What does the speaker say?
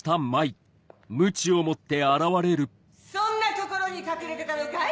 そんな所に隠れてたのかい？